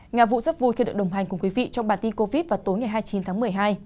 nhà vụ rất vui khi được đồng hành cùng quý vị trong bản tin covid vào tối ngày hai mươi chín tháng một mươi hai